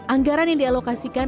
anggaran yang dialokasikan